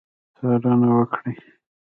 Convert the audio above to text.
څارنه وکړي.